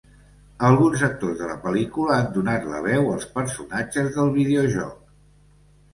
Alguns actors de la pel·lícula han donat la veu als personatges del videojoc.